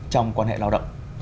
trong quan hệ lao động